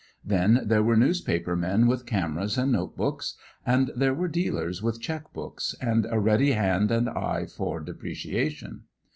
Then there were newspaper men with cameras and note books; and there were dealers with cheque books, and a ready hand and eye for deprecation.